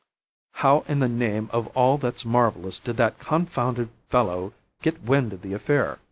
"How in the name of all that's marvellous did that confounded fellow get wind of the affair?"